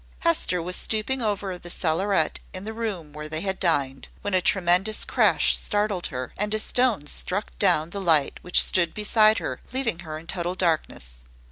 Hester was stooping over the cellaret in the room where they had dined, when a tremendous crash startled her, and a stone struck down the light which stood beside her, leaving her in total darkness.